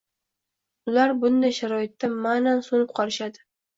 ular bunday sharoitda ma’nan «so‘nib» qolishadi